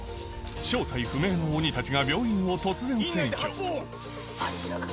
正体不明の鬼たちが病院を突然占拠最悪だ。